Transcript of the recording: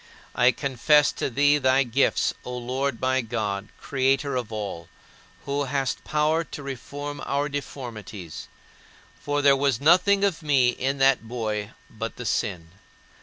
I confess to thee thy gifts, O Lord my God, creator of all, who hast power to reform our deformities for there was nothing of me in that boy but the sin.